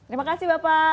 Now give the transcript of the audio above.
terima kasih bapak